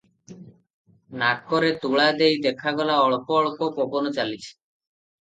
ନାକରେ ତୁଳା ଦେଇ ଦେଖାଗଲା, ଅଳ୍ପ ଅଳ୍ପ ପବନ ଚାଲିଛି ।